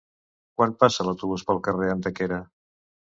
Quan passa l'autobús pel carrer Antequera?